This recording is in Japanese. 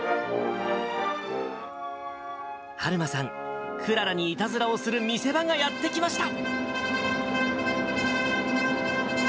はるまさん、クララにいたずらをする見せ場がやってきました。